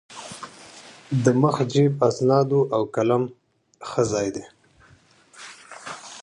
د مخ جېب د اسنادو او قلم ښه ځای دی.